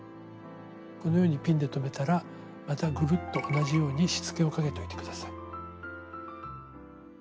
このようにピンで留めたらまたグルッと同じようにしつけをかけといて下さい。